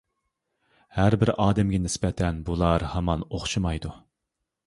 ھەربىر ئادەمگە نىسبەتەن بۇلار ھامان ئوخشىمايدۇ!